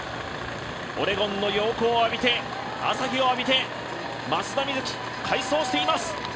オレゴンの陽光を浴びて朝日を浴びて松田瑞生、快走しています。